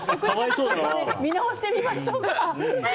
見直してみましょうか。